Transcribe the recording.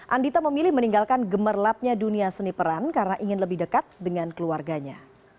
andita memilih meninggalkan gemerlapnya dunia seni peran karena ingin lebih dekat dengan keluarganya